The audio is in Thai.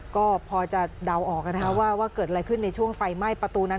ก็พอจะเดาออกว่าเกิดอะไรขึ้นในช่วงไฟไหม้ประตูนั้น